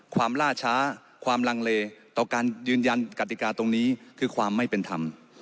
ล่าช้าความลังเลต่อการยืนยันกติกาตรงนี้คือความไม่เป็นธรรม